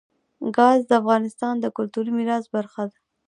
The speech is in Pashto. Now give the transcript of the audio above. ګاز د افغانستان د کلتوري میراث برخه ده.